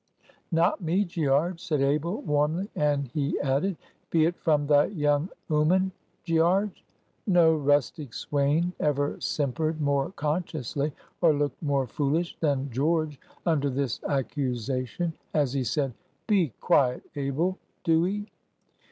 "Not me, Gearge," said Abel, warmly; and he added,—"Be it from thy young 'ooman, Gearge?" No rustic swain ever simpered more consciously or looked more foolish than George under this accusation, as he said, "Be quiet, Abel, do 'ee."